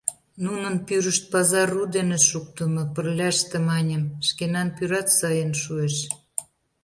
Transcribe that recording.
Нунын пӱрышт пазар ру дене шуктымо, пырляште, маньым, шкенан пӱрат сайын шуэш.